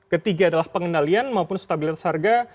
ketiga adalah pengendalian maupun stabilitas harga